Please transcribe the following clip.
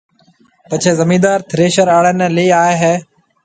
پڇيَ زميندار ٿريشر آݪي نَي ليَ آئي هيَ۔